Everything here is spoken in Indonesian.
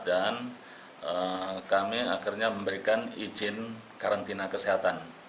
dan kami akhirnya memberikan izin karantina kesehatan